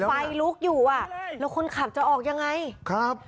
ไฟลุกอยู่อ่ะแล้วคนขับจะออกยังไงครับ